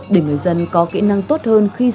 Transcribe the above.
để người dân có kỹ năng tốt hơn khi xây dựng